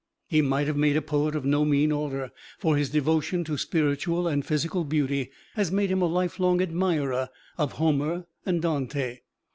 He might have made a poet of no mean order; for his devotion to spiritual and physical beauty has made him a lifelong admirer of Homer and Dante.